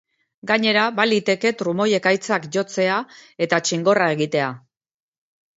Gainera, baliteke trumoi-ekaitzak jotzea eta txingorra egitea.